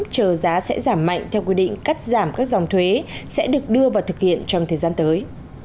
chờ giá sẽ giảm mạnh theo quy định cắt giảm các dòng thuế sẽ được đưa vào thực hiện trong thời gian tới